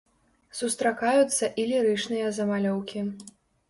Сустракаюцца і лірычныя замалёўкі.